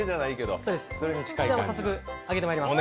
早速、揚げてまいります。